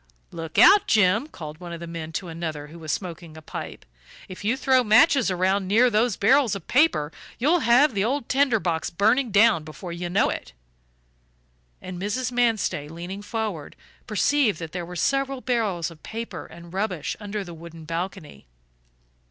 "Look out, Jim," called one of the men to another who was smoking a pipe, "if you throw matches around near those barrels of paper you'll have the old tinder box burning down before you know it." And Mrs. Manstey, leaning forward, perceived that there were several barrels of paper and rubbish under the wooden balcony.